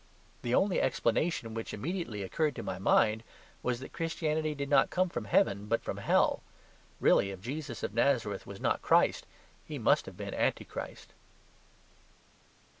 The only explanation which immediately occurred to my mind was that Christianity did not come from heaven, but from hell. Really, if Jesus of Nazareth was not Christ, He must have been Antichrist.